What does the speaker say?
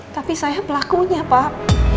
tapi saya pelakunya pak